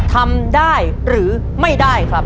ทำได้หรือไม่ได้ครับ